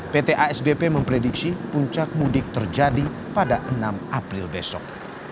pt asbp memprediksi puncak mudik terjadi pada enam april besok